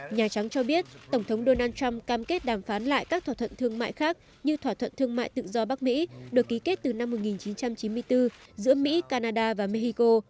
nhà trắng cho biết tổng thống donald trump cam kết đàm phán lại các thỏa thuận thương mại khác như thỏa thuận thương mại tự do bắc mỹ được ký kết từ năm một nghìn chín trăm chín mươi bốn giữa mỹ canada và mexico